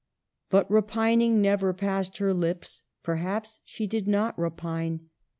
But repining never passed her PARENTAGE. 23 lips. Perhaps she did not repine.